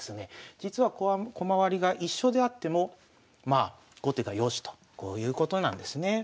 実は駒割りが一緒であっても後手が良しとこういうことなんですね。